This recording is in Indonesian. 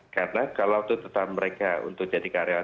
karena kalau tuntutan mereka untuk jadi karyawan